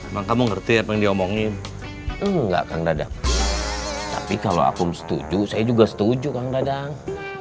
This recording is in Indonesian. bang kamu ngerti apa yang diomongin enggak kang dada tapi kalau aku setuju saya juga setuju kang dadang